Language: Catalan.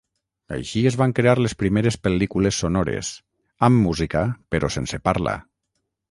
Així es van crear les primeres pel·lícules sonores, amb música però sense parla.